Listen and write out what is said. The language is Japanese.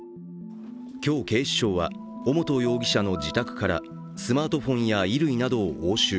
今日、警視庁は尾本容疑者の自宅からスマートフォンや衣類などを押収。